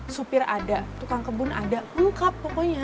supir ada tukang kebun ada ungkap pokoknya